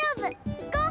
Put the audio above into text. いこう！